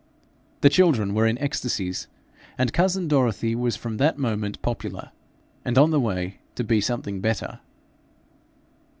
The children were in ecstasies, and cousin Dorothy was from that moment popular and on the way to be something better.